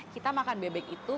kita makan bebek itu